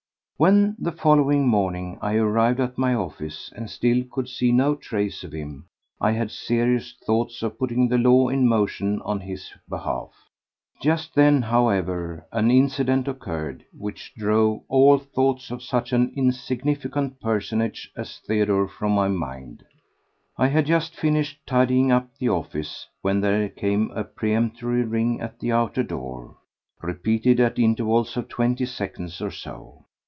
When the following morning I arrived at my office and still could see no trace of him, I had serious thoughts of putting the law in motion on his behalf. Just then, however, an incident occurred which drove all thoughts of such an insignificant personage as Theodore from my mind. I had just finished tidying up the office when there came a peremptory ring at the outer door, repeated at intervals of twenty seconds or so.